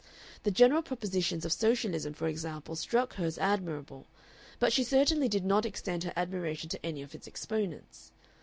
The general propositions of Socialism, for example, struck her as admirable, but she certainly did not extend her admiration to any of its exponents.